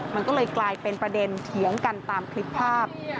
มันก็เลยกลายเป็นประเด็นเถียงกันตามคลิปภาพ